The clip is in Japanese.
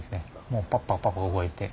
もうパッパッパッパ動いて。